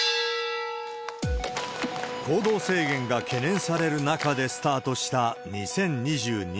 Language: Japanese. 行動制限が懸念される中でスタートした、２０２２年。